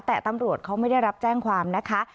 แต่ตำรวจเขาไม่ได้รับแจ้งความนะคะ